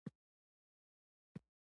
افغانانو یو لوی بری ترلاسه کړی وو.